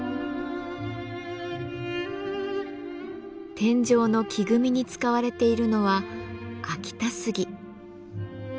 天井の木組みに使われているのは秋田杉。